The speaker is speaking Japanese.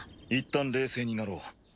いったん冷静になろう。